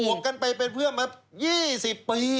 วกกันไปเป็นเพื่อนมา๒๐ปี